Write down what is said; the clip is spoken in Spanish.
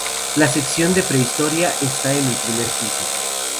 La sección de prehistoria está en el primer piso.